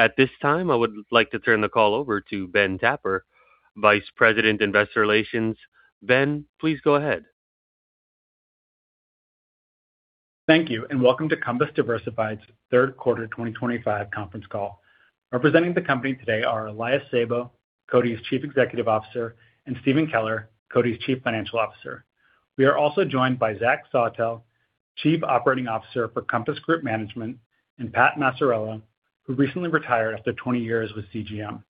At this time, I would like to turn the call over to Ben Tapper, Vice President, Investor Relations. Ben, please go ahead. Thank you, and welcome to Compass Diversified's third quarter 2025 conference call. Representing the company today are Elias Sabo, Cody's Chief Executive Officer, and Stephen Keller, Cody's Chief Financial Officer. We are also joined by Zach Sawtelle, Chief Operating Officer for Compass Group Management, and Pat Maciariello, who recently retired after 20 years with CGM.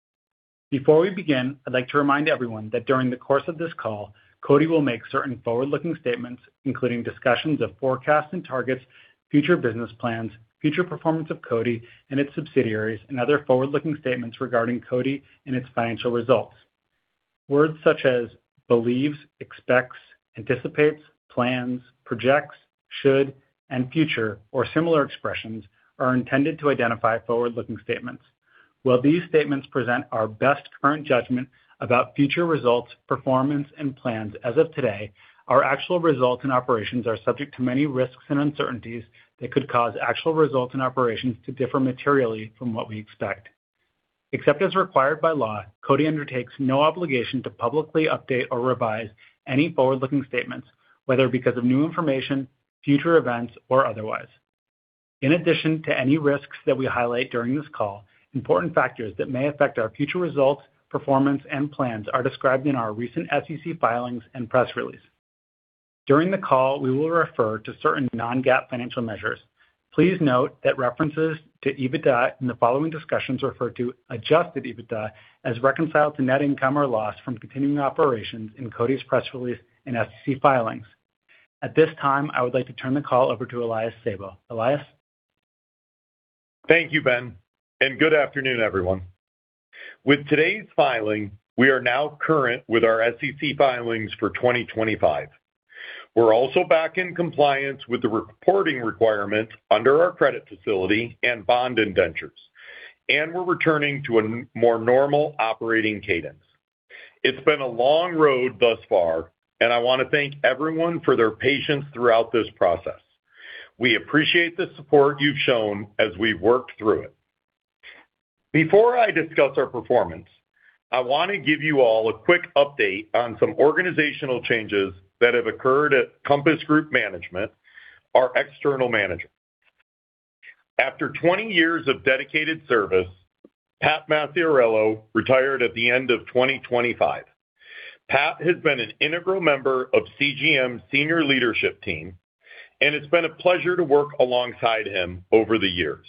Before we begin, I'd like to remind everyone that during the course of this call, Cody will make certain forward-looking statements, including discussions of forecasts and targets, future business plans, future performance of Cody and its subsidiaries, and other forward-looking statements regarding Cody and its financial results. Words such as believes, expects, anticipates, plans, projects, should, and future, or similar expressions, are intended to identify forward-looking statements. While these statements present our best current judgment about future results, performance, and plans as of today, our actual results and operations are subject to many risks and uncertainties that could cause actual results and operations to differ materially from what we expect. Except as required by law, Cody undertakes no obligation to publicly update or revise any forward-looking statements, whether because of new information, future events, or otherwise. In addition to any risks that we highlight during this call, important factors that may affect our future results, performance, and plans are described in our recent SEC filings and press release. During the call, we will refer to certain non-GAAP financial measures. Please note that references to EBITDA in the following discussions refer to adjusted EBITDA as reconciled to net income or loss from continuing operations in Cody's press release and SEC filings. At this time, I would like to turn the call over to Elias Sabo. Elias? Thank you, Ben, and good afternoon, everyone. With today's filing, we are now current with our SEC filings for 2025. We're also back in compliance with the reporting requirements under our credit facility and bond indentures, and we're returning to a more normal operating cadence. It's been a long road thus far, and I want to thank everyone for their patience throughout this process. We appreciate the support you've shown as we've worked through it. Before I discuss our performance, I want to give you all a quick update on some organizational changes that have occurred at Compass Group Management, our external manager. After 20 years of dedicated service, Pat Maciariello retired at the end of 2025. Pat has been an integral member of CGM's senior leadership team, and it's been a pleasure to work alongside him over the years.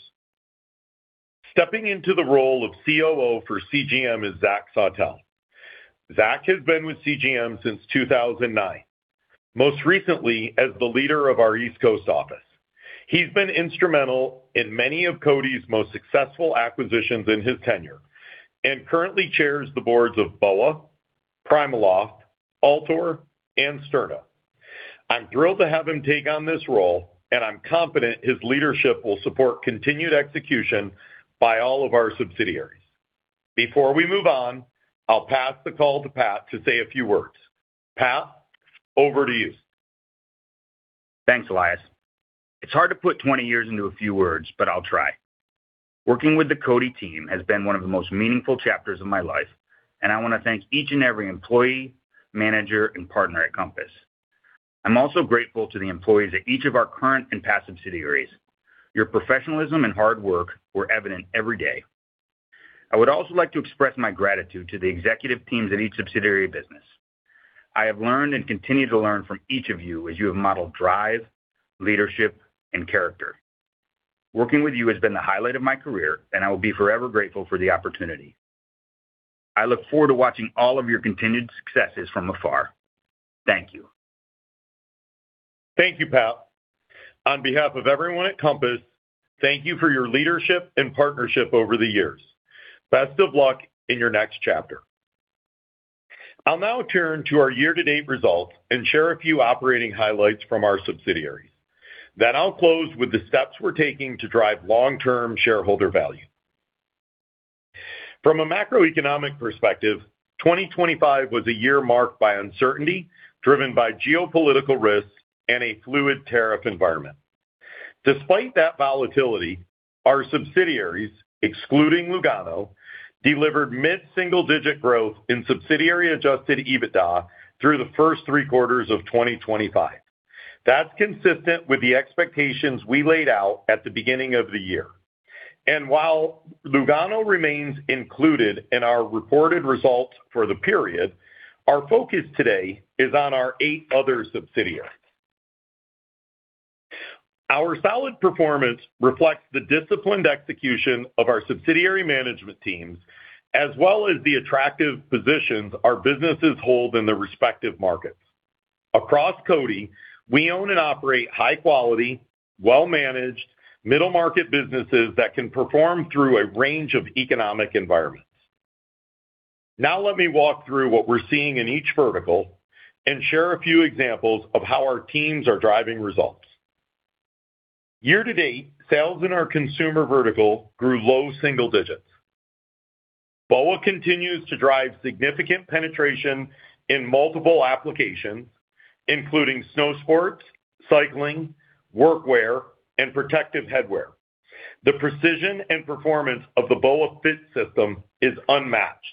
Stepping into the role of COO for CGM is Zach Sawtelle. Zach has been with CGM since 2009, most recently as the leader of our East Coast office. He's been instrumental in many of Cody's most successful acquisitions in his tenure and currently chairs the boards of BOA, PrimaLoft, Altor, and Sterno. I'm thrilled to have him take on this role, and I'm confident his leadership will support continued execution by all of our subsidiaries. Before we move on, I'll pass the call to Pat to say a few words. Pat, over to you. Thanks, Elias. It's hard to put 20 years into a few words, but I'll try. Working with the Cody team has been one of the most meaningful chapters of my life, and I want to thank each and every employee, manager, and partner at Compass. I'm also grateful to the employees at each of our current and past subsidiaries. Your professionalism and hard work were evident every day. I would also like to express my gratitude to the executive teams at each subsidiary business. I have learned and continue to learn from each of you as you have modeled drive, leadership, and character. Working with you has been the highlight of my career, and I will be forever grateful for the opportunity. I look forward to watching all of your continued successes from afar. Thank you. Thank you, Pat. On behalf of everyone at Compass, thank you for your leadership and partnership over the years. Best of luck in your next chapter. I'll now turn to our year-to-date results and share a few operating highlights from our subsidiaries. Then I'll close with the steps we're taking to drive long-term shareholder value. From a macroeconomic perspective, 2025 was a year marked by uncertainty driven by geopolitical risks and a fluid tariff environment. Despite that volatility, our subsidiaries, excluding Lugano, delivered mid-single-digit growth in subsidiary-adjusted EBITDA through the first three quarters of 2025. That's consistent with the expectations we laid out at the beginning of the year, and while Lugano remains included in our reported results for the period, our focus today is on our eight other subsidiaries. Our solid performance reflects the disciplined execution of our subsidiary management teams as well as the attractive positions our businesses hold in the respective markets. Across Cody, we own and operate high-quality, well-managed, middle-market businesses that can perform through a range of economic environments. Now let me walk through what we're seeing in each vertical and share a few examples of how our teams are driving results. Year-to-date, sales in our consumer vertical grew low single digits. BOA continues to drive significant penetration in multiple applications, including snow sports, cycling, workwear, and protective headwear. The precision and performance of the BOA Fit System is unmatched.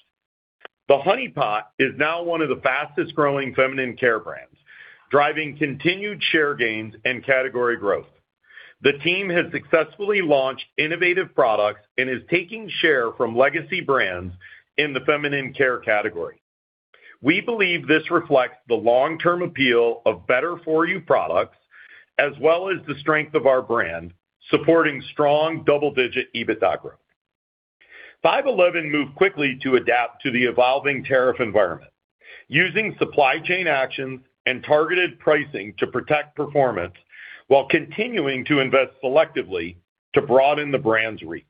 The Honeypot is now one of the fastest-growing feminine care brands, driving continued share gains and category growth. The team has successfully launched innovative products and is taking share from legacy brands in the feminine care category. We believe this reflects the long-term appeal of better-for-you products as well as the strength of our brand, supporting strong double-digit EBITDA growth. 5.11 moved quickly to adapt to the evolving tariff environment, using supply chain actions and targeted pricing to protect performance while continuing to invest selectively to broaden the brand's reach.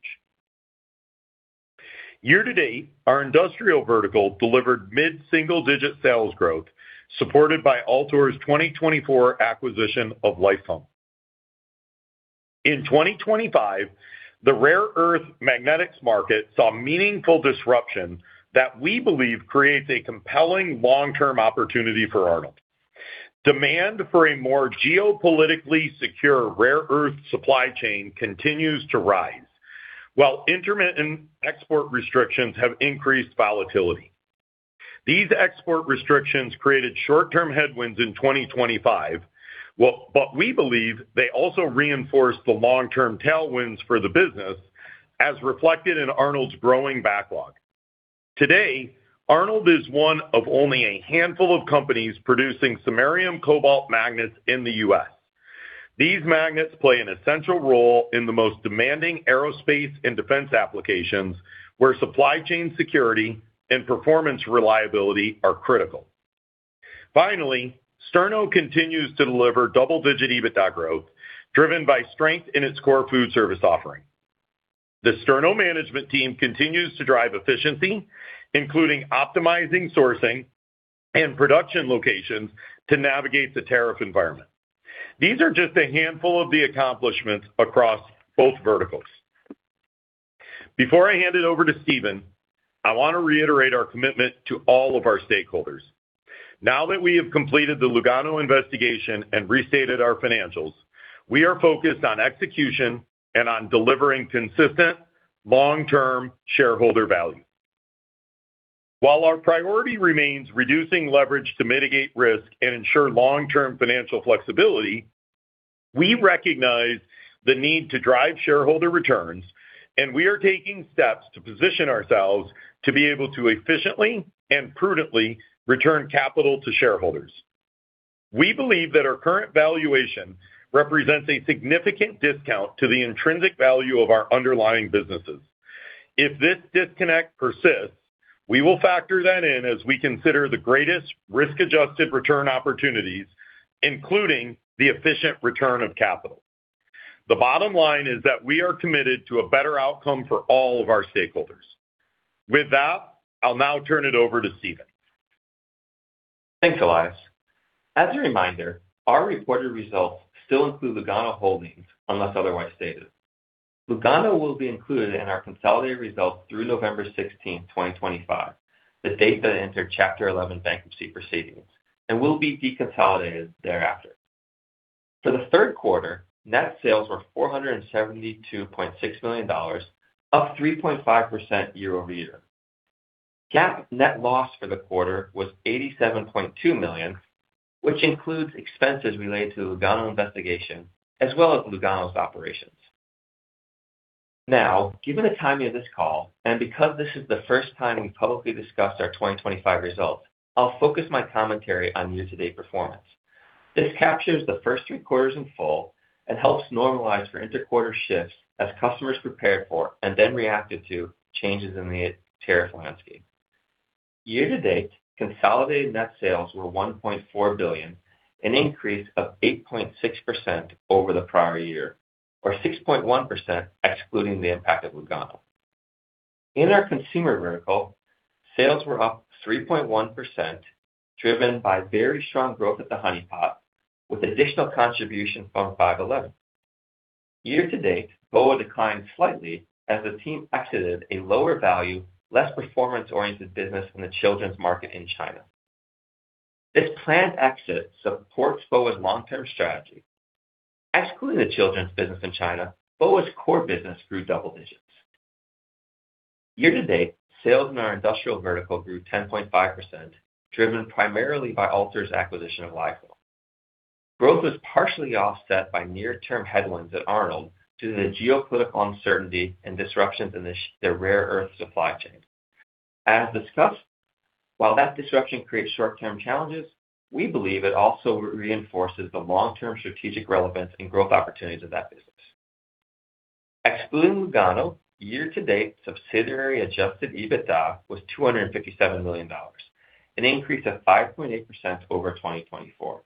Year-to-date, our industrial vertical delivered mid-single-digit sales growth, supported by Altor's 2024 acquisition of Lifoam. In 2025, the rare earth magnetics market saw meaningful disruption that we believe creates a compelling long-term opportunity for Arnold. Demand for a more geopolitically secure rare earth supply chain continues to rise, while intermittent export restrictions have increased volatility. These export restrictions created short-term headwinds in 2025, but we believe they also reinforced the long-term tailwinds for the business, as reflected in Arnold's growing backlog. Today, Arnold is one of only a handful of companies producing samarium cobalt magnets in the U.S. These magnets play an essential role in the most demanding aerospace and defense applications, where supply chain security and performance reliability are critical. Finally, Sterno continues to deliver double-digit EBITDA growth, driven by strength in its core food service offering. The Sterno management team continues to drive efficiency, including optimizing sourcing and production locations to navigate the tariff environment. These are just a handful of the accomplishments across both verticals. Before I hand it over to Stephen, I want to reiterate our commitment to all of our stakeholders. Now that we have completed the Lugano investigation and restated our financials, we are focused on execution and on delivering consistent long-term shareholder value. While our priority remains reducing leverage to mitigate risk and ensure long-term financial flexibility, we recognize the need to drive shareholder returns, and we are taking steps to position ourselves to be able to efficiently and prudently return capital to shareholders. We believe that our current valuation represents a significant discount to the intrinsic value of our underlying businesses. If this disconnect persists, we will factor that in as we consider the greatest risk-adjusted return opportunities, including the efficient return of capital. The bottom line is that we are committed to a better outcome for all of our stakeholders. With that, I'll now turn it over to Stephen. Thanks, Elias. As a reminder, our reported results still include Lugano Holdings, unless otherwise stated. Lugano will be included in our consolidated results through November 16, 2025, the date that entered Chapter 11 bankruptcy proceedings, and will be deconsolidated thereafter. For the third quarter, net sales were $472.6 million, up 3.5% year-over-year. GAAP net loss for the quarter was $87.2 million, which includes expenses related to the Lugano investigation as well as Lugano's operations. Now, given the timing of this call, and because this is the first time we publicly discussed our 2025 results, I'll focus my commentary on year-to-date performance. This captures the first three quarters in full and helps normalize for interquarter shifts as customers prepared for and then reacted to changes in the tariff landscape. Year-to-date, consolidated net sales were $1.4 billion, an increase of 8.6% over the prior year, or 6.1% excluding the impact of Lugano. In our consumer vertical, sales were up 3.1%, driven by very strong growth at The Honeypot, with additional contribution from 511. Year-to-date, BOA declined slightly as the team exited a lower-value, less performance-oriented business in the children's market in China. This planned exit supports BOA's long-term strategy. Excluding the children's business in China, BOA's core business grew double digits. Year-to-date, sales in our industrial vertical grew 10.5%, driven primarily by Altor's acquisition of Lifoam. Growth was partially offset by near-term headwinds at Arnold due to the geopolitical uncertainty and disruptions in the rare earth supply chain. As discussed, while that disruption creates short-term challenges, we believe it also reinforces the long-term strategic relevance and growth opportunities of that business. Excluding Lugano, year-to-date subsidiary-adjusted EBITDA was $257 million, an increase of 5.8% over 2024.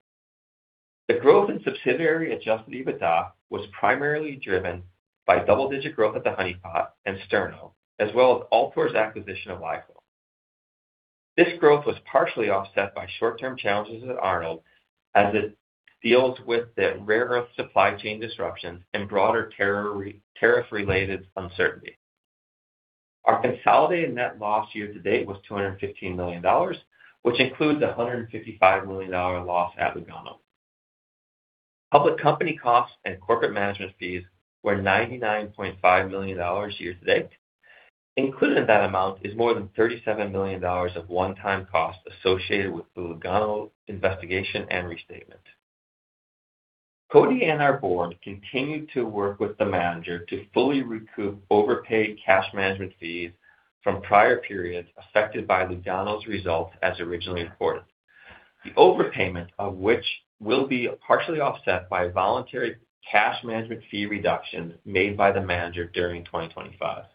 The growth in subsidiary-adjusted EBITDA was primarily driven by double-digit growth at the Honeypot and Sterno, as well as Altor's acquisition of Lifoam. This growth was partially offset by short-term challenges at Arnold as it deals with the rare earth supply chain disruptions and broader tariff-related uncertainty. Our consolidated net loss year-to-date was $215 million, which includes a $155 million loss at Lugano. Public company costs and corporate management fees were $99.5 million year-to-date. Included in that amount is more than $37 million of one-time costs associated with the Lugano investigation and restatement. Cody and our board continued to work with the manager to fully recoup overpaid cash management fees from prior periods affected by Lugano's results as originally reported, the overpayment of which will be partially offset by voluntary cash management fee reductions made by the manager during 2025.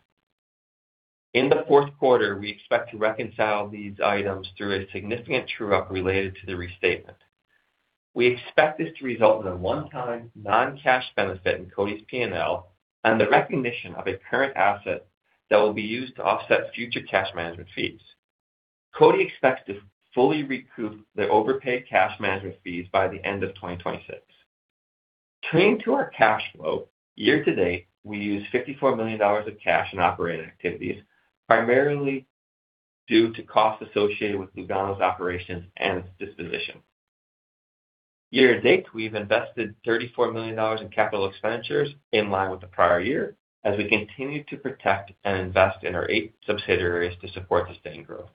In the fourth quarter, we expect to reconcile these items through a significant true-up related to the restatement. We expect this to result in a one-time non-cash benefit in Cody's P&L and the recognition of a current asset that will be used to offset future cash management fees. Cody expects to fully recoup the overpaid cash management fees by the end of 2026. Turning to our cash flow, year-to-date, we use $54 million of cash in operating activities, primarily due to costs associated with Lugano's operations and its disposition. Year-to-date, we've invested $34 million in capital expenditures in line with the prior year as we continue to protect and invest in our eight subsidiaries to support sustained growth.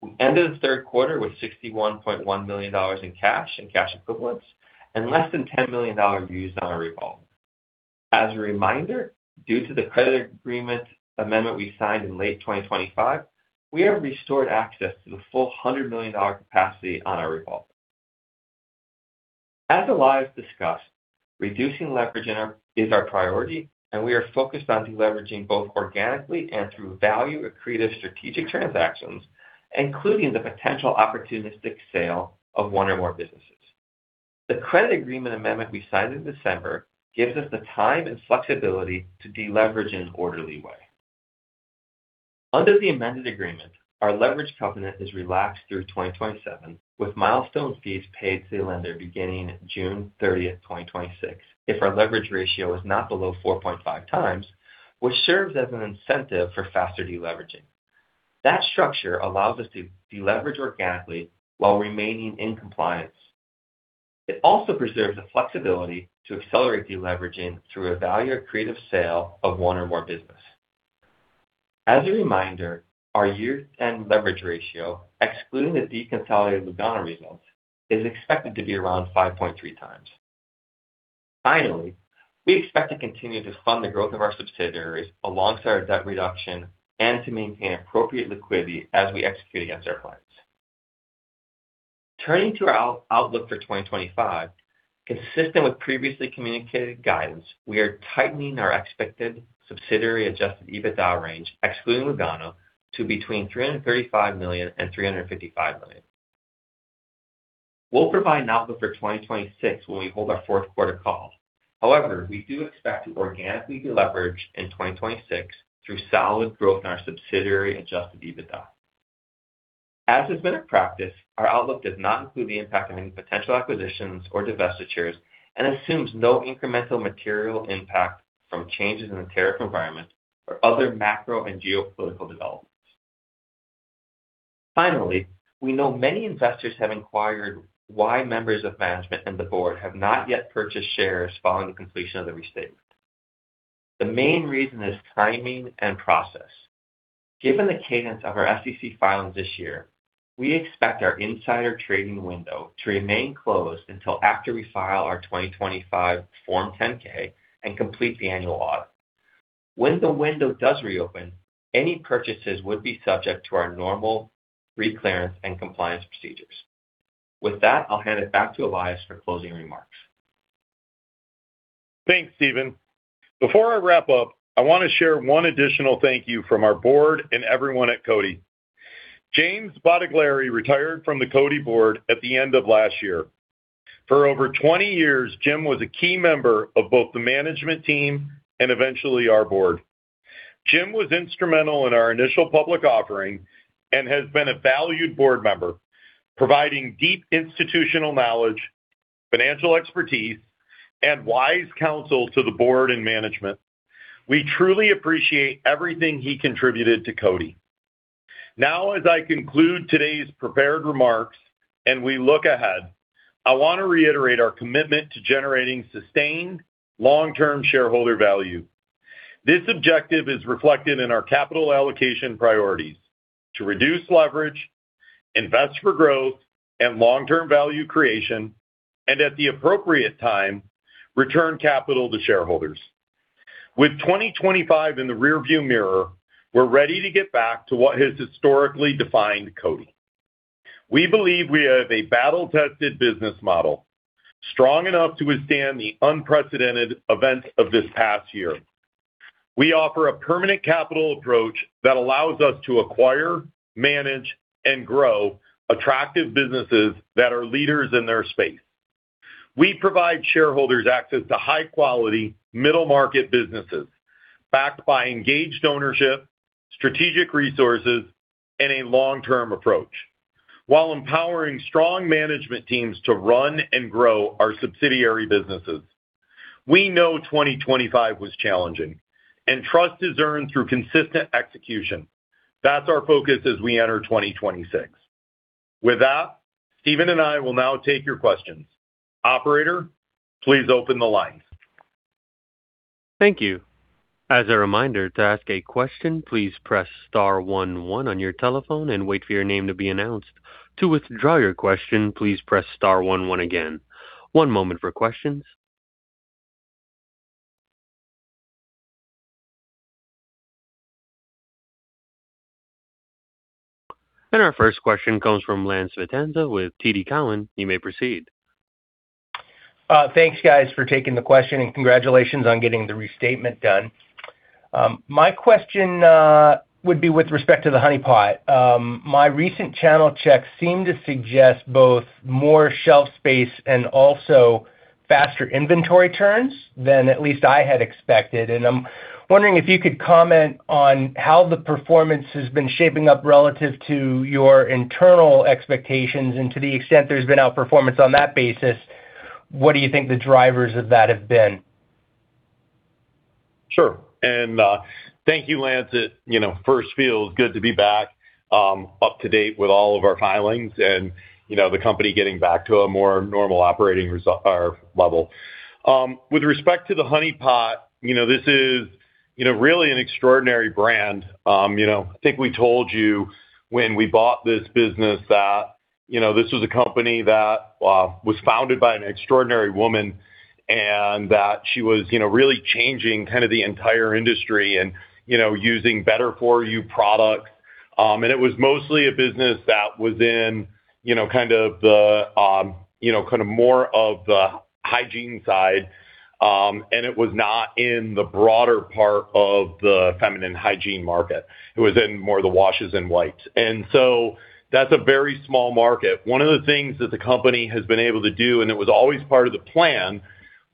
We ended the third quarter with $61.1 million in cash and cash equivalents and less than $10 million used on our revolve. As a reminder, due to the credit agreement amendment we signed in late 2025, we have restored access to the full $100 million capacity on our revolve. As Elias discussed, reducing leverage is our priority, and we are focused on deleveraging both organically and through value-accretive strategic transactions, including the potential opportunistic sale of one or more businesses. The credit agreement amendment we signed in December gives us the time and flexibility to deleverage in an orderly way. Under the amended agreement, our leverage covenant is relaxed through 2027, with milestone fees paid to the lender beginning June 30, 2026, if our leverage ratio is not below 4.5 times, which serves as an incentive for faster deleveraging. That structure allows us to deleverage organically while remaining in compliance. It also preserves the flexibility to accelerate deleveraging through a value-accretive sale of one or more businesses. As a reminder, our year-to-end leverage ratio, excluding the deconsolidated Lugano results, is expected to be around 5.3 times. Finally, we expect to continue to fund the growth of our subsidiaries alongside our debt reduction and to maintain appropriate liquidity as we execute against our plans. Turning to our outlook for 2025, consistent with previously communicated guidance, we are tightening our expected subsidiary-adjusted EBITDA range, excluding Lugano, to between $335 million and $355 million. We'll provide an outlook for 2026 when we hold our fourth quarter call. However, we do expect to organically deleverage in 2026 through solid growth in our subsidiary-adjusted EBITDA. As has been our practice, our outlook does not include the impact of any potential acquisitions or divestitures and assumes no incremental material impact from changes in the tariff environment or other macro and geopolitical developments. Finally, we know many investors have inquired why members of management and the board have not yet purchased shares following the completion of the restatement. The main reason is timing and process. Given the cadence of our SEC filings this year, we expect our insider trading window to remain closed until after we file our 2025 Form 10-K and complete the annual audit. When the window does reopen, any purchases would be subject to our normal pre-clearance and compliance procedures. With that, I'll hand it back to Elias for closing remarks. Thanks, Stephen. Before I wrap up, I want to share one additional thank you from our board and everyone at Cody. James Bottiglieri retired from the Cody board at the end of last year. For over 20 years, Jim was a key member of both the management team and eventually our board. Jim was instrumental in our initial public offering and has been a valued board member, providing deep institutional knowledge, financial expertise, and wise counsel to the board and management. We truly appreciate everything he contributed to Cody. Now, as I conclude today's prepared remarks and we look ahead, I want to reiterate our commitment to generating sustained long-term shareholder value. This objective is reflected in our capital allocation priorities: to reduce leverage, invest for growth and long-term value creation, and at the appropriate time, return capital to shareholders. With 2025 in the rearview mirror, we're ready to get back to what has historically defined Cody. We believe we have a battle-tested business model strong enough to withstand the unprecedented events of this past year. We offer a permanent capital approach that allows us to acquire, manage, and grow attractive businesses that are leaders in their space. We provide shareholders access to high-quality, middle-market businesses backed by engaged ownership, strategic resources, and a long-term approach, while empowering strong management teams to run and grow our subsidiary businesses. We know 2025 was challenging, and trust is earned through consistent execution. That's our focus as we enter 2026. With that, Stephen and I will now take your questions. Operator, please open the line. Thank you. As a reminder, to ask a question, please press star 11 on your telephone and wait for your name to be announced. To withdraw your question, please press star 11 again. One moment for questions. And our first question comes from Lance Vitanza with TD Cowen. You may proceed. Thanks, guys, for taking the question and congratulations on getting the restatement done. My question would be with respect to the Honeypot. My recent channel checks seem to suggest both more shelf space and also faster inventory turns than at least I had expected. And I'm wondering if you could comment on how the performance has been shaping up relative to your internal expectations and to the extent there's been outperformance on that basis. What do you think the drivers of that have been? Sure. And thank you, Lance. It first feels good to be back up to date with all of our filings and the company getting back to a more normal operating level. With respect to the Honeypot, this is really an extraordinary brand. I think we told you when we bought this business that this was a company that was founded by an extraordinary woman and that she was really changing kind of the entire industry and using better-for-you products. And it was mostly a business that was in kind of more of the hygiene side, and it was not in the broader part of the feminine hygiene market. It was in more of the washes and wipes. And so that's a very small market. One of the things that the company has been able to do, and it was always part of the plan, was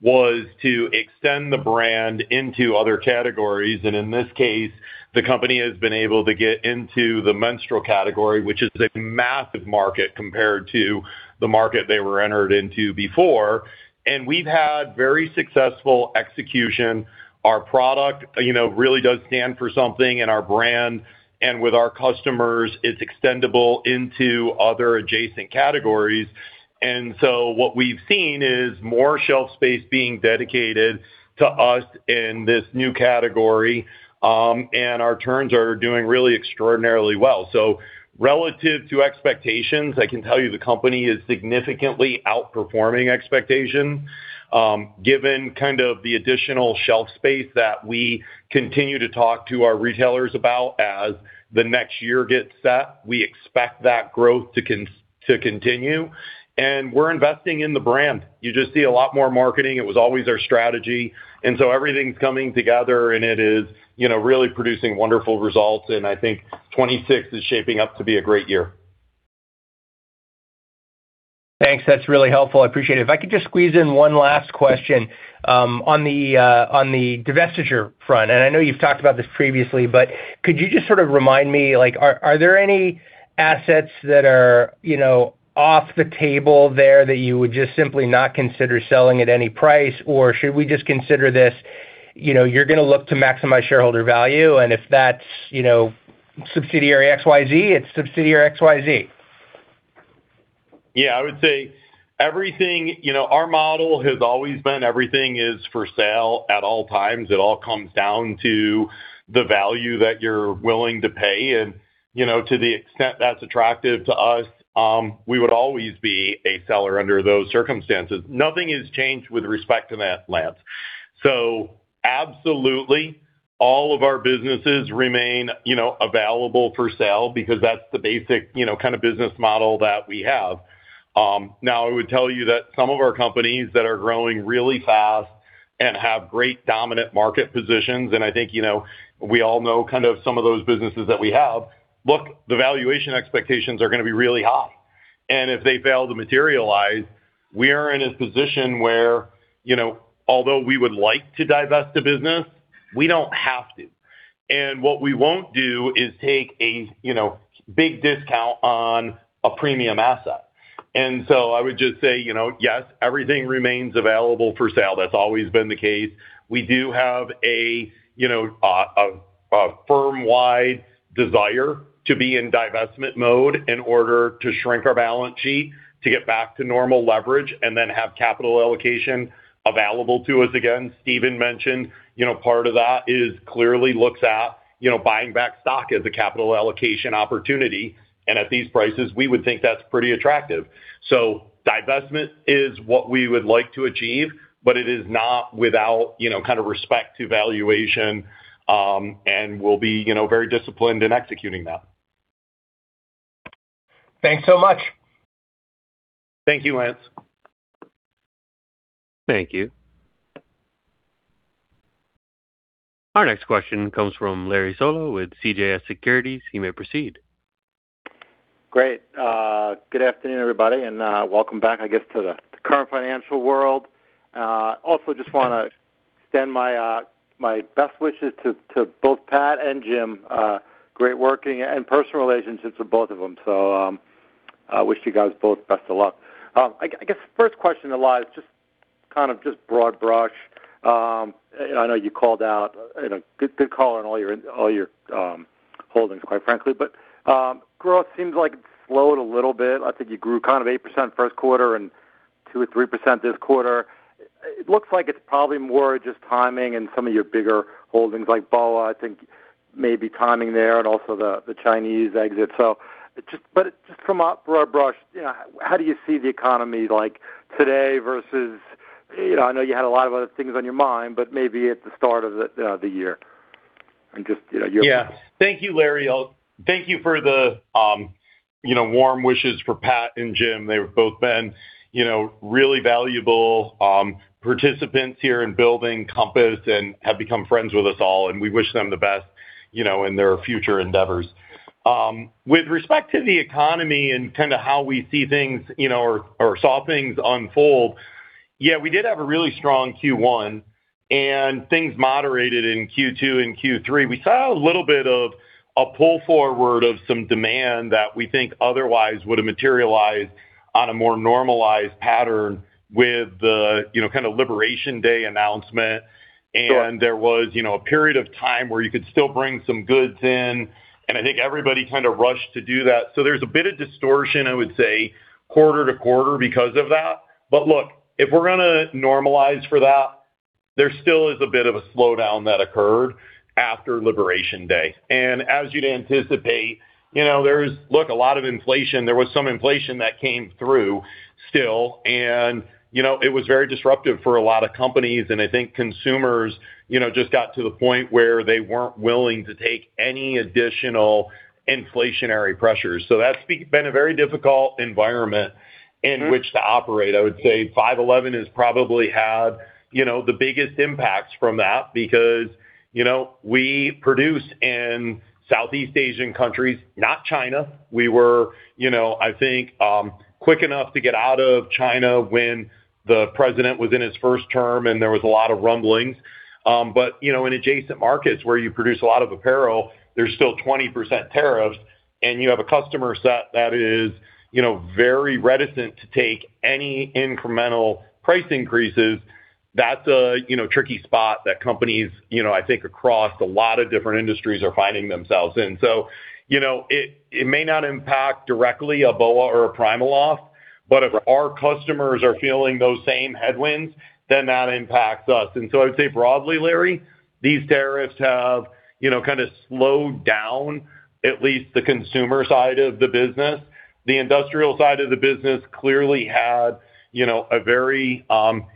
to extend the brand into other categories, and in this case, the company has been able to get into the menstrual category, which is a massive market compared to the market they were entered into before, and we've had very successful execution. Our product really does stand for something in our brand and with our customers. It's extendable into other adjacent categories, and so what we've seen is more shelf space being dedicated to us in this new category, and our turns are doing really extraordinarily well, so relative to expectations, I can tell you the company is significantly outperforming expectations given kind of the additional shelf space that we continue to talk to our retailers about as the next year gets set. We expect that growth to continue, and we're investing in the brand. You just see a lot more marketing. It was always our strategy. And so everything's coming together, and it is really producing wonderful results, and I think 2026 is shaping up to be a great year. Thanks. That's really helpful. I appreciate it. If I could just squeeze in one last question on the divestiture front, and I know you've talked about this previously, but could you just sort of remind me, are there any assets that are off the table there that you would just simply not consider selling at any price, or should we just consider this you're going to look to maximize shareholder value, and if that's subsidiary XYZ, it's subsidiary XYZ? Yeah. I would say everything our model has always been everything is for sale at all times. It all comes down to the value that you're willing to pay and to the extent that's attractive to us. We would always be a seller under those circumstances. Nothing has changed with respect to that, Lance. So absolutely, all of our businesses remain available for sale because that's the basic kind of business model that we have. Now, I would tell you that some of our companies that are growing really fast and have great dominant market positions, and I think we all know kind of some of those businesses that we have. Look, the valuation expectations are going to be really high. And if they fail to materialize, we are in a position where, although we would like to divest a business, we don't have to. What we won't do is take a big discount on a premium asset. I would just say, yes, everything remains available for sale. That's always been the case. We do have a firm-wide desire to be in divestment mode in order to shrink our balance sheet, to get back to normal leverage, and then have capital allocation available to us again. Stephen mentioned part of that clearly looks at buying back stock as a capital allocation opportunity. At these prices, we would think that's pretty attractive. Divestment is what we would like to achieve, but it is not without kind of respect to valuation, and we'll be very disciplined in executing that. Thanks so much. Thank you, Lance. Thank you. Our next question comes from Larry Solow with CJS Securities. He may proceed. Great. Good afternoon, everybody, and welcome back, I guess, to the current financial world. Also, just want to extend my best wishes to both Pat and Jim. Great working and personal relationships with both of them. So I wish you guys both best of luck. I guess the first question of Elias, just kind of just broad brush. I know you called out a good call on all your holdings, quite frankly, but growth seems like it slowed a little bit. I think you grew kind of 8% first quarter and 2 or 3% this quarter. It looks like it's probably more just timing and some of your bigger holdings like Boa, I think maybe timing there and also the Chinese exit. But, just from a broad brush, how do you see the economy today versus? I know you had a lot of other things on your mind, but maybe at the start of the year and just your. Yeah. Thank you, Larry. Thank you for the warm wishes for Pat and Jim. They've both been really valuable participants here in building Compass and have become friends with us all, and we wish them the best in their future endeavors. With respect to the economy and kind of how we see things or saw things unfold, yeah, we did have a really strong Q1 and things moderated in Q2 and Q3. We saw a little bit of a pull forward of some demand that we think otherwise would have materialized on a more normalized pattern with the kind of Liberation Day announcement. And there was a period of time where you could still bring some goods in, and I think everybody kind of rushed to do that. So there's a bit of distortion, I would say, quarter to quarter because of that. But look, if we're going to normalize for that, there still is a bit of a slowdown that occurred after Liberation Day. And as you'd anticipate, there's, look, a lot of inflation. There was some inflation that came through still, and it was very disruptive for a lot of companies. And I think consumers just got to the point where they weren't willing to take any additional inflationary pressures. So that's been a very difficult environment in which to operate. I would say 5.11 has probably had the biggest impacts from that because we produce in Southeast Asian countries, not China. We were, I think, quick enough to get out of China when the president was in his first term and there was a lot of rumblings. But in adjacent markets where you produce a lot of apparel, there's still 20% tariffs, and you have a customer set that is very reticent to take any incremental price increases. That's a tricky spot that companies, I think, across a lot of different industries are finding themselves in. So it may not impact directly a BOA or a PrimaLoft, but if our customers are feeling those same headwinds, then that impacts us. And so I would say broadly, Larry, these tariffs have kind of slowed down at least the consumer side of the business. The industrial side of the business clearly had a very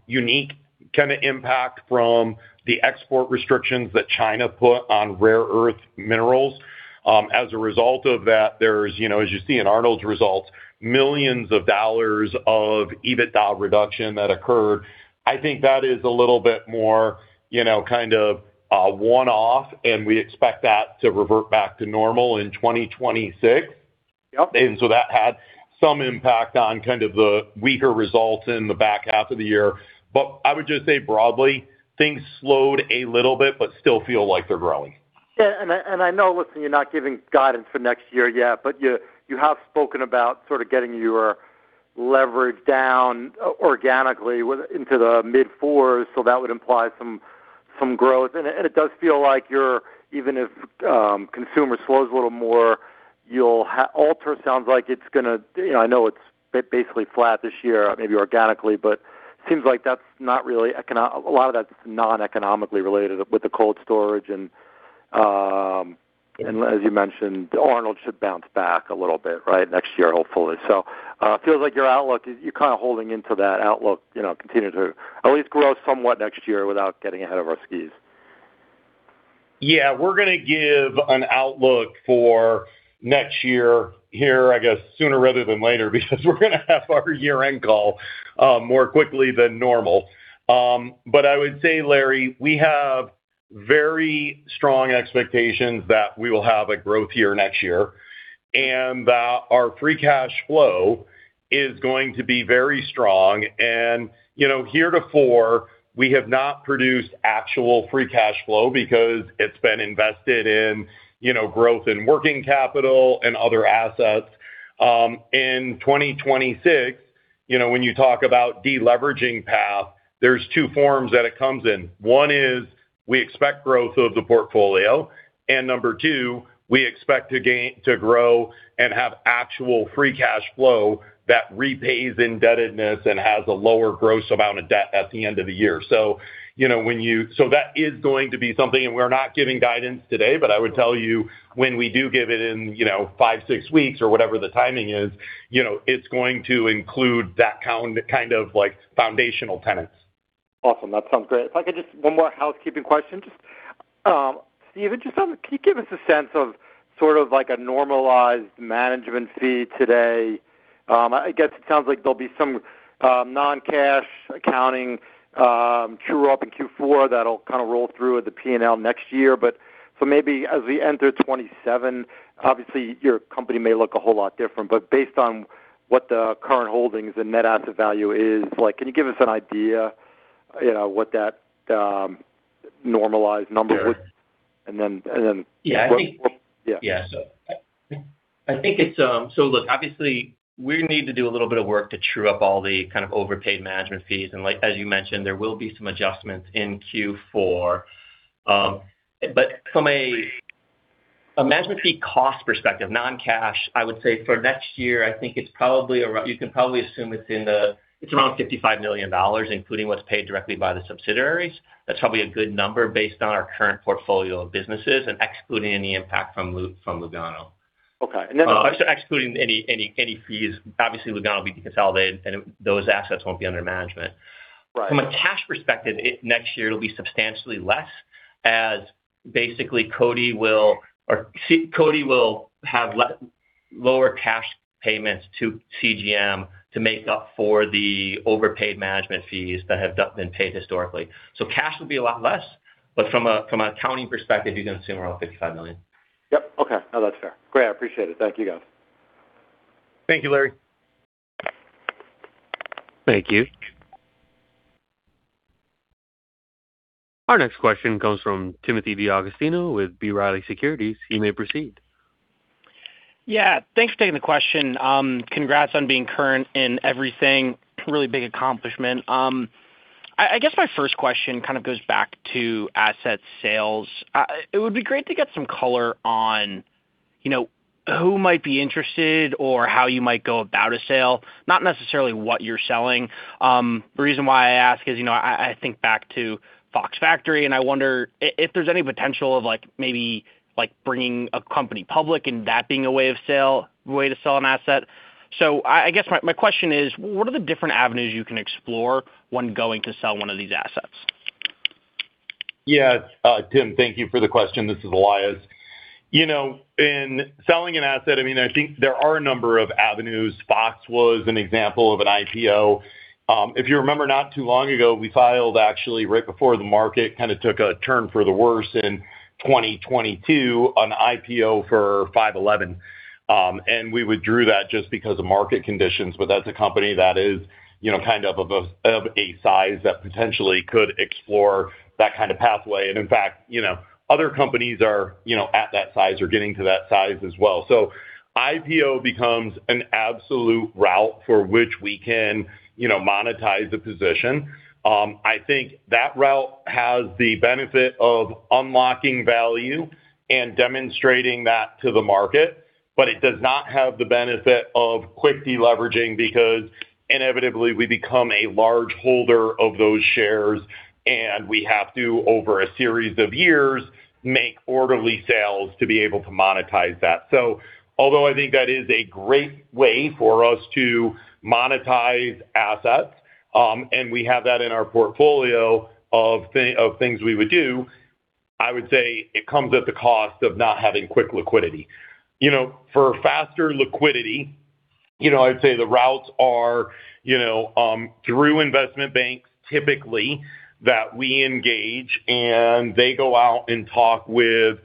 unique kind of impact from the export restrictions that China put on rare earth minerals. As a result of that, there's, as you see in Arnold's results, millions of dollars of EBITDA reduction that occurred. I think that is a little bit more kind of one-off, and we expect that to revert back to normal in 2026, and so that had some impact on kind of the weaker results in the back half of the year, but I would just say broadly, things slowed a little bit, but still feel like they're growing. And I know, listen, you're not giving guidance for next year yet, but you have spoken about sort of getting your leverage down organically into the mid-fours. So that would imply some growth. And it does feel like even if consumer slows a little more, Altor sounds like it's going to. I know it's basically flat this year, maybe organically, but it seems like that's not really a lot of that's non-economically related with the cold storage. And as you mentioned, Arnold should bounce back a little bit, right, next year, hopefully. So it feels like your outlook. You're kind of holding into that outlook, continue to at least grow somewhat next year without getting ahead of our skis. Yeah. We're going to give an outlook for next year here, I guess, sooner rather than later because we're going to have our year-end call more quickly than normal. But I would say, Larry, we have very strong expectations that we will have a growth year next year and that our free cash flow is going to be very strong. And heretofore, we have not produced actual free cash flow because it's been invested in growth and working capital and other assets. In 2026, when you talk about deleveraging path, there's two forms that it comes in. One is we expect growth of the portfolio. And number two, we expect to grow and have actual free cash flow that repays indebtedness and has a lower gross amount of debt at the end of the year. So when you say that is going to be something, and we're not giving guidance today, but I would tell you when we do give it in five, six weeks or whatever the timing is, it's going to include that kind of foundational tenets. Awesome. That sounds great. If I could just one more housekeeping question. Stephen, just can you give us a sense of sort of a normalized management fee today? I guess it sounds like there'll be some non-cash accounting true-up in Q4 that'll kind of roll through at the P&L next year, but so maybe as we enter 2027, obviously, your company may look a whole lot different, but based on what the current holdings and net asset value is, can you give us an idea what that normalized number would be? And then. Yeah. I think. Yeah. Yeah. So I think it's so look, obviously, we need to do a little bit of work to chew up all the kind of overpaid management fees. And as you mentioned, there will be some adjustments in Q4. But from a management fee cost perspective, non-cash, I would say for next year, I think it's probably you can probably assume it's around $55 million, including what's paid directly by the subsidiaries. That's probably a good number based on our current portfolio of businesses and excluding any impact from Lugano. Okay. And then. So excluding any fees, obviously, Lugano will be consolidated, and those assets won't be under management. From a cash perspective, next year, it'll be substantially less as basically Cody will have lower cash payments to CGM to make up for the overpaid management fees that have been paid historically. So cash will be a lot less, but from an accounting perspective, you're going to see around $55 million. Yep. Okay. No, that's fair. Great. I appreciate it. Thank you, guys. Thank you, Larry. Thank you. Our next question comes from Timothy DeAgostino with B. Riley Securities. He may proceed. Yeah. Thanks for taking the question. Congrats on being current in everything. Really big accomplishment. I guess my first question kind of goes back to asset sales. It would be great to get some color on who might be interested or how you might go about a sale, not necessarily what you're selling. The reason why I ask is I think back to Fox Factory, and I wonder if there's any potential of maybe bringing a company public and that being a way to sell an asset. So I guess my question is, what are the different avenues you can explore when going to sell one of these assets? Yeah. Tim, thank you for the question. This is Elias. In selling an asset, I mean, I think there are a number of avenues. Fox was an example of an IPO. If you remember, not too long ago, we filed actually right before the market kind of took a turn for the worse in 2022 on IPO for 5.11. And we withdrew that just because of market conditions, but that's a company that is kind of of a size that potentially could explore that kind of pathway. And in fact, other companies are at that size or getting to that size as well. So IPO becomes an absolute route for which we can monetize the position. I think that route has the benefit of unlocking value and demonstrating that to the market, but it does not have the benefit of quick deleveraging because inevitably, we become a large holder of those shares, and we have to, over a series of years, make orderly sales to be able to monetize that. Although I think that is a great way for us to monetize assets and we have that in our portfolio of things we would do, I would say it comes at the cost of not having quick liquidity. For faster liquidity, I'd say the routes are through investment banks typically that we engage, and they go out and talk with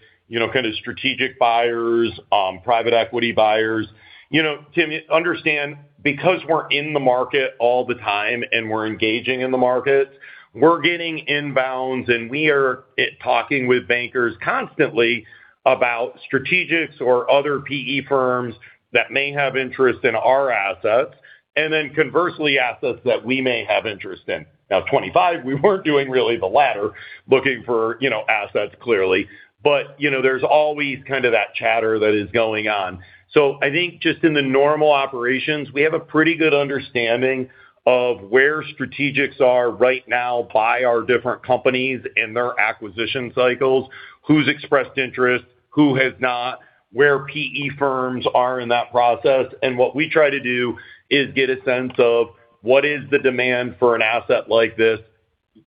kind of strategic buyers, private equity buyers. Tim, understand, because we're in the market all the time and we're engaging in the markets, we're getting inbounds, and we are talking with bankers constantly about strategics or other PE firms that may have interest in our assets and then conversely, assets that we may have interest in. Now, 2025, we weren't doing really the latter looking for assets clearly, but there's always kind of that chatter that is going on. So I think just in the normal operations, we have a pretty good understanding of where strategics are right now by our different companies and their acquisition cycles, who's expressed interest, who has not, where PE firms are in that process. What we try to do is get a sense of what is the demand for an asset like this,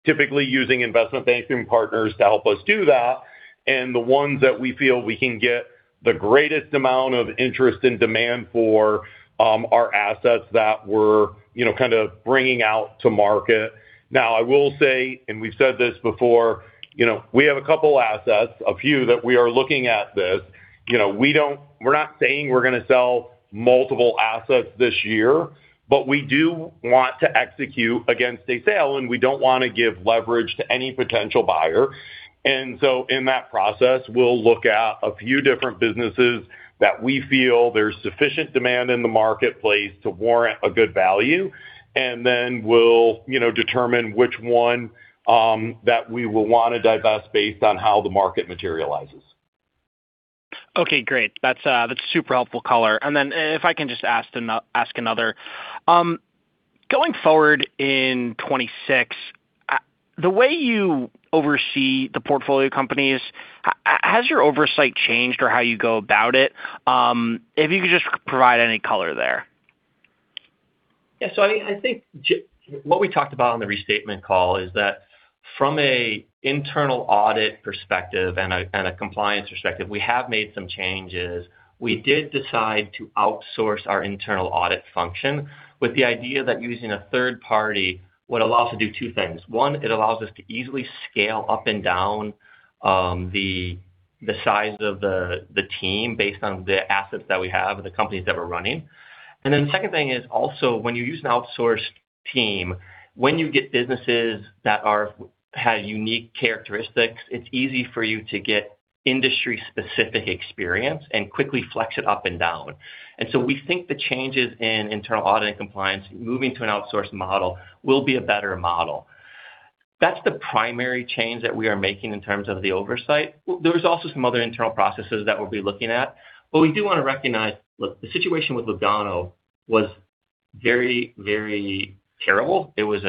typically using investment banking partners to help us do that, and the ones that we feel we can get the greatest amount of interest and demand for our assets that we're kind of bringing out to market. Now, I will say, and we've said this before, we have a couple of assets, a few that we are looking at this. We're not saying we're going to sell multiple assets this year, but we do want to execute against a sale, and we don't want to give leverage to any potential buyer. And so in that process, we'll look at a few different businesses that we feel there's sufficient demand in the marketplace to warrant a good value, and then we'll determine which one that we will want to divest based on how the market materializes. Okay. Great. That's super helpful, Codi, and then if I can just ask another. Going forward in 2026, the way you oversee the portfolio companies, has your oversight changed or how you go about it? If you could just provide any color there. Yeah. So I think what we talked about on the restatement call is that from an internal audit perspective and a compliance perspective, we have made some changes. We did decide to outsource our internal audit function with the idea that using a third party would allow us to do two things. One, it allows us to easily scale up and down the size of the team based on the assets that we have and the companies that we're running. And then the second thing is also when you use an outsourced team, when you get businesses that have unique characteristics, it's easy for you to get industry-specific experience and quickly flex it up and down. And so we think the changes in internal audit and compliance moving to an outsourced model will be a better model. That's the primary change that we are making in terms of the oversight. There's also some other internal processes that we'll be looking at. But we do want to recognize, look, the situation with Lugano was very, very terrible. It was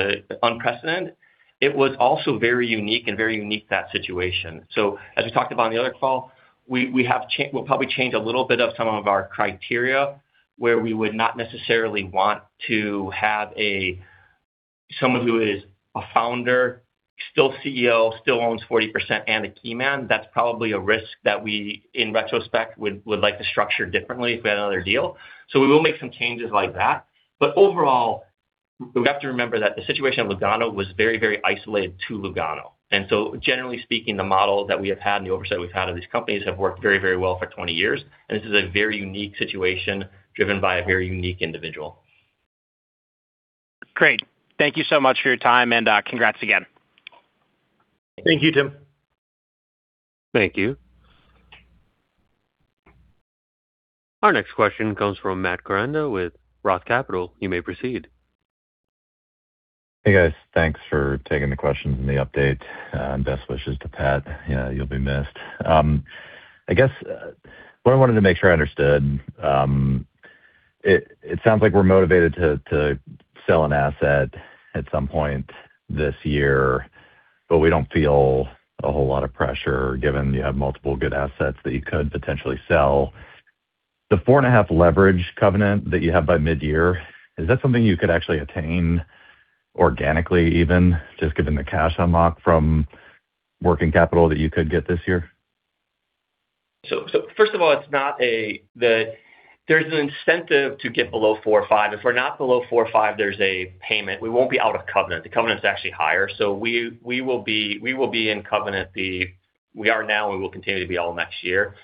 unprecedented. It was also very unique and very unique to that situation. So as we talked about on the other call, we'll probably change a little bit of some of our criteria where we would not necessarily want to have someone who is a founder, still CEO, still owns 40%, and a key man. That's probably a risk that we, in retrospect, would like to structure differently if we had another deal. So we will make some changes like that. But overall, we have to remember that the situation at Lugano was very, very isolated to Lugano. And so generally speaking, the model that we have had and the oversight we've had of these companies have worked very, very well for 20 years. And this is a very unique situation driven by a very unique individual. Great. Thank you so much for your time, and congrats again. Thank you, Tim. Thank you. Our next question comes from Matt Koranda with Roth Capital. You may proceed. Hey, guys. Thanks for taking the questions and the update. Best wishes to Pat. Yeah, you'll be missed. I guess what I wanted to make sure I understood, it sounds like we're motivated to sell an asset at some point this year, but we don't feel a whole lot of pressure given you have multiple good assets that you could potentially sell. The four-and-a-half leverage covenant that you have by mid-year, is that something you could actually attain organically even, just given the cash unlock from working capital that you could get this year? So, first of all, it's not that there's an incentive to get below four or five. If we're not below four or five, there's a payment. We won't be out of covenant. The covenant's actually higher. So we will be in covenant that we are now, and we will continue to be all next year.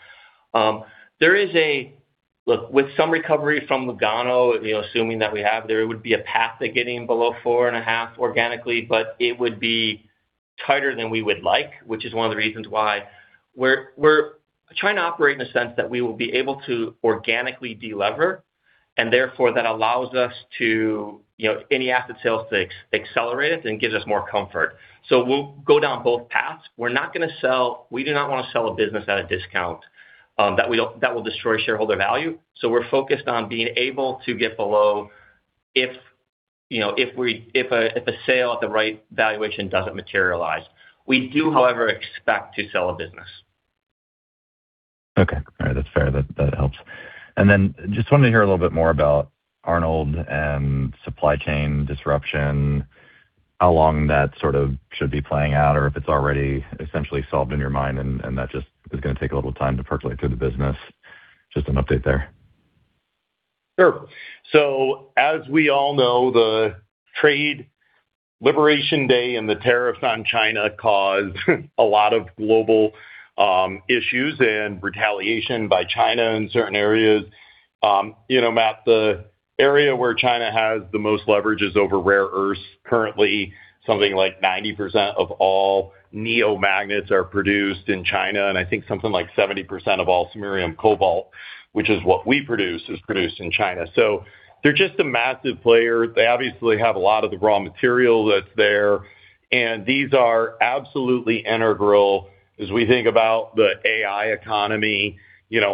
There is a path with some recovery from Lugano, assuming that we have there. It would be a path to getting below four and a half organically, but it would be tighter than we would like, which is one of the reasons why we're trying to operate in a sense that we will be able to organically deliver, and therefore that allows us to do any asset sales to accelerate it and gives us more comfort. So we'll go down both paths. We're not going to sell. We do not want to sell a business at a discount that will destroy shareholder value, so we're focused on being able to get below if a sale at the right valuation doesn't materialize. We do, however, expect to sell a business. Okay. All right. That's fair. That helps. And then just wanted to hear a little bit more about Arnold and supply chain disruption, how long that sort of should be playing out, or if it's already essentially solved in your mind and that just is going to take a little time to percolate through the business? Just an update there. Sure. So as we all know, the trade liberation day and the tariffs on China caused a lot of global issues and retaliation by China in certain areas. Matt, the area where China has the most leverage is over rare earths. Currently, something like 90% of all neomagnets are produced in China, and I think something like 70% of all samarium cobalt, which is what we produce, is produced in China. So they're just a massive player. They obviously have a lot of the raw material that's there. And these are absolutely integral as we think about the AI economy,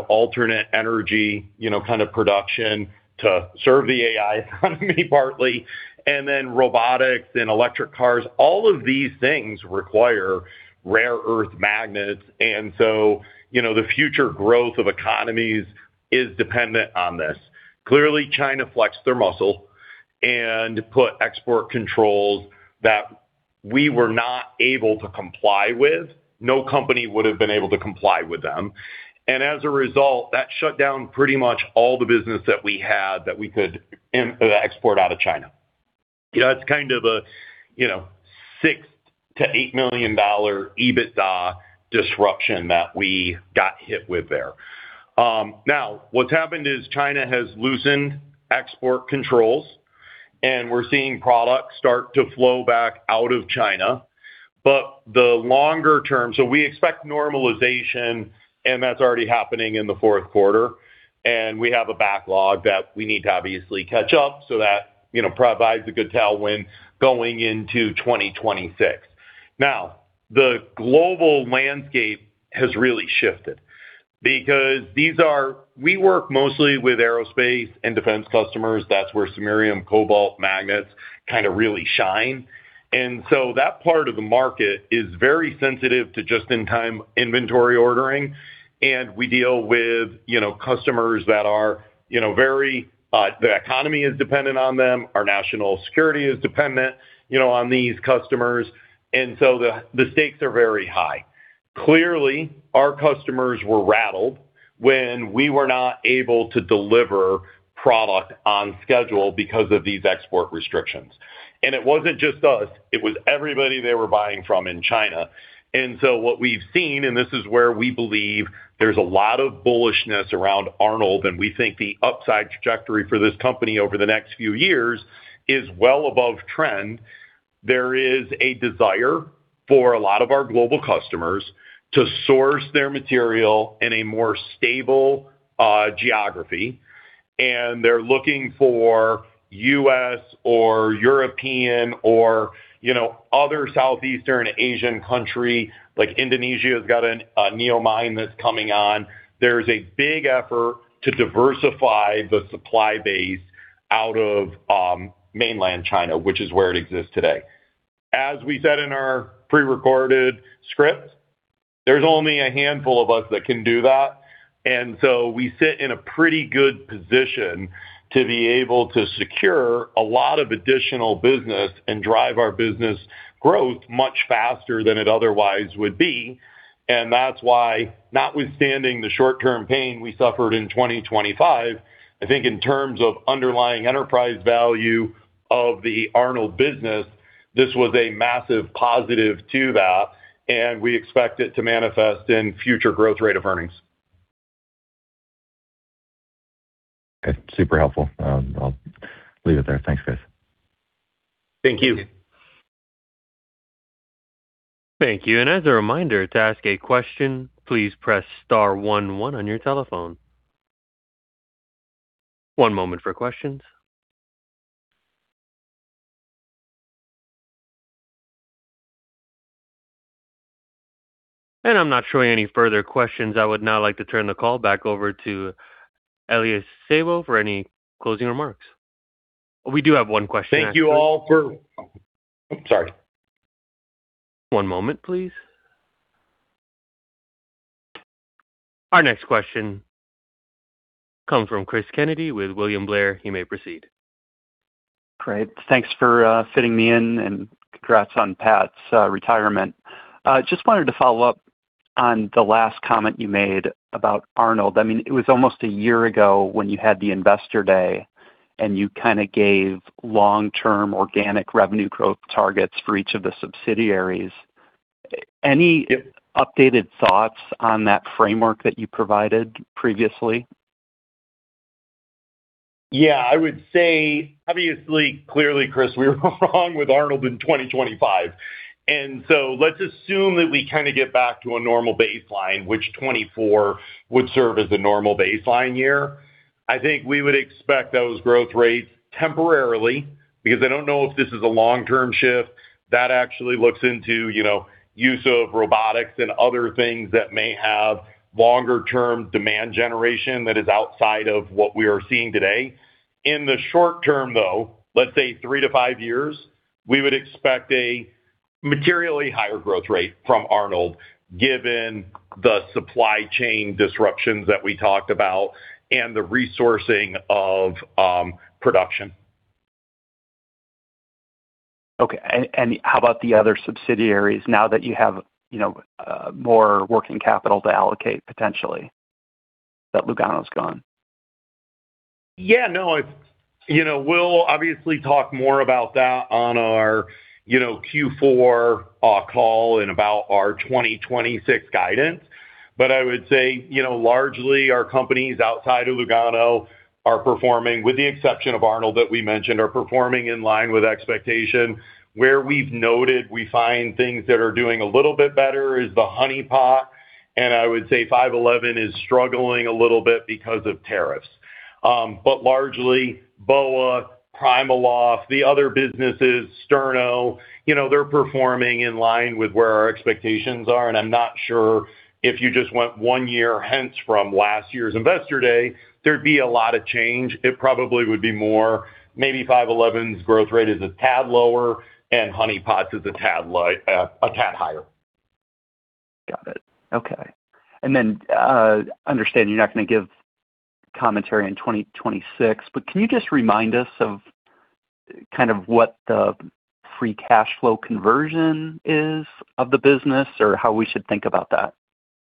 alternate energy kind of production to serve the AI economy partly, and then robotics and electric cars. All of these things require rare earth magnets. And so the future growth of economies is dependent on this. Clearly, China flexed their muscle and put export controls that we were not able to comply with. No company would have been able to comply with them. And as a result, that shut down pretty much all the business that we had that we could export out of China. That's kind of a $6-$8 million EBITDA disruption that we got hit with there. Now, what's happened is China has loosened export controls, and we're seeing products start to flow back out of China. But the longer term so we expect normalization, and that's already happening in the fourth quarter. And we have a backlog that we need to obviously catch up so that provides a good tailwind going into 2026. Now, the global landscape has really shifted because these are we work mostly with aerospace and defense customers. That's where samarium cobalt magnets kind of really shine. And so that part of the market is very sensitive to just-in-time inventory ordering. And we deal with customers that the economy is dependent on them. Our national security is dependent on these customers. And so the stakes are very high. Clearly, our customers were rattled when we were not able to deliver product on schedule because of these export restrictions. And it wasn't just us. It was everybody they were buying from in China. And so what we've seen, and this is where we believe there's a lot of bullishness around Arnold, and we think the upside trajectory for this company over the next few years is well above trend. There is a desire for a lot of our global customers to source their material in a more stable geography. And they're looking for US or European or other Southeast Asian country. Indonesia has got a neo mine that's coming on. There's a big effort to diversify the supply base out of mainland China, which is where it exists today. As we said in our pre-recorded script, there's only a handful of us that can do that. And so we sit in a pretty good position to be able to secure a lot of additional business and drive our business growth much faster than it otherwise would be. And that's why, notwithstanding the short-term pain we suffered in 2025, I think in terms of underlying enterprise value of the Arnold business, this was a massive positive to that, and we expect it to manifest in future growth rate of earnings. Okay. Super helpful. I'll leave it there. Thanks, guys. Thank you. Thank you. And as a reminder, to ask a question, please press star 11 on your telephone. One moment for questions. And I'm not showing any further questions. I would now like to turn the call back over to Elias Sabo for any closing remarks. We do have one question. Thank you all. I'm sorry. One moment, please. Our next question comes from Chris Kennedy with William Blair. He may proceed. Great. Thanks for fitting me in, and congrats on Pat's retirement. Just wanted to follow up on the last comment you made about Arnold. I mean, it was almost a year ago when you had the investor day, and you kind of gave long-term organic revenue growth targets for each of the subsidiaries. Any updated thoughts on that framework that you provided previously? Yeah. I would say, obviously, clearly, Chris, we were wrong with Arnold in 2025, and so let's assume that we kind of get back to a normal baseline, which 2024 would serve as a normal baseline year. I think we would expect those growth rates temporarily because I don't know if this is a long-term shift. That actually looks into use of robotics and other things that may have longer-term demand generation that is outside of what we are seeing today. In the short term, though, let's say three to five years, we would expect a materially higher growth rate from Arnold given the supply chain disruptions that we talked about and the resourcing of production. Okay. And how about the other subsidiaries now that you have more working capital to allocate potentially that Lugano's gone? Yeah. No, we'll obviously talk more about that on our Q4 call and about our 2026 guidance. But I would say largely, our companies outside of Lugano are performing, with the exception of Arnold that we mentioned, are performing in line with expectation. Where we've noted we find things that are doing a little bit better is the Honeypot. And I would say 5.11 is struggling a little bit because of tariffs. But largely, BOA, PrimaLoft, the other businesses, Sterno, they're performing in line with where our expectations are. And I'm not sure if you just went one year hence from last year's investor day, there'd be a lot of change. It probably would be more maybe 5.11's growth rate is a tad lower and Honeypot's is a tad higher. Got it. Okay, and then understand you're not going to give commentary in 2026. But can you just remind us of kind of what the free cash flow conversion is of the business or how we should think about that?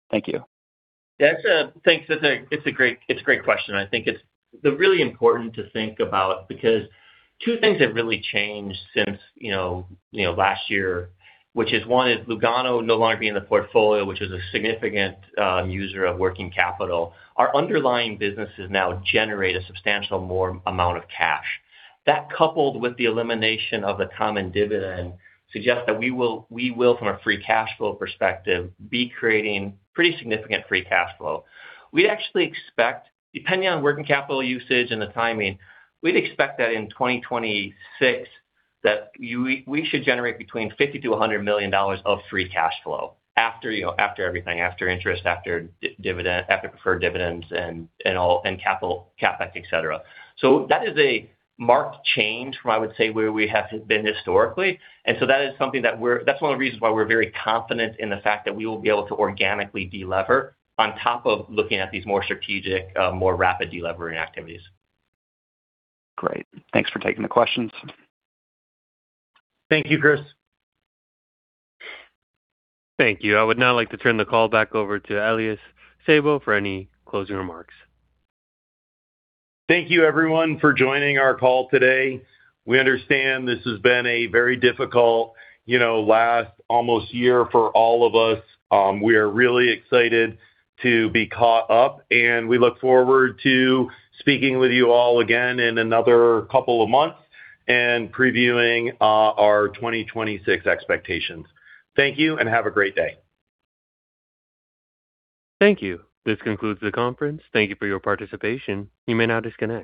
Thank you. Yeah. Thanks. It's a great question. I think it's really important to think about because two things have really changed since last year, which is one is Lugano no longer being in the portfolio, which is a significant user of working capital. Our underlying businesses now generate a substantial more amount of cash. That coupled with the elimination of the common dividend suggests that we will, from a free cash flow perspective, be creating pretty significant free cash flow. We'd actually expect, depending on working capital usage and the timing, we'd expect that in 2026 that we should generate between $50 million and $100 million of free cash flow after everything, after interest, after preferred dividends, and CapEx, etc. So that is a marked change from, I would say, where we have been historically. That is something that's one of the reasons why we're very confident in the fact that we will be able to organically deliver on top of looking at these more strategic, more rapid delivery activities. Great. Thanks for taking the questions. Thank you, Chris. Thank you. I would now like to turn the call back over to Elias Sabo for any closing remarks. Thank you, everyone, for joining our call today. We understand this has been a very difficult last almost year for all of us. We are really excited to be caught up, and we look forward to speaking with you all again in another couple of months and previewing our 2026 expectations. Thank you, and have a great day. Thank you. This concludes the conference. Thank you for your participation. You may now disconnect.